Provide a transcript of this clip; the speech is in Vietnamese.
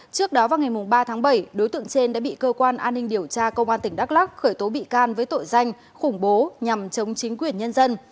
trước đó vào ngày ba tháng bảy đối tượng trên đã bị cơ quan an ninh điều tra công an tỉnh đắk lắc khởi tố bị can với tội danh khủng bố nhằm chống chính quyền nhân dân